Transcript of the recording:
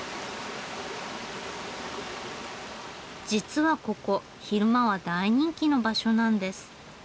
実はここ昼間は大人気の場所なんです。